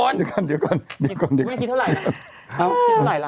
นี่คิดเท่าไรหรือครับคิดเท่าไรหรือครับ